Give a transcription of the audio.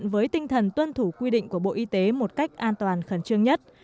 và quy định của bộ y tế một cách an toàn khẩn trương nhất